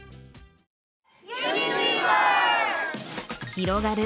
広がる